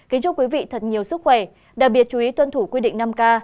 kính chúc quý vị thật nhiều sức khỏe đặc biệt chú ý tuân thủ quy định năm k